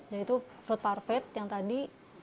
yaitu fruit parfait yang tadi